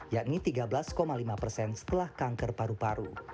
yakni tiga belas lima persen setelah kanker paru paru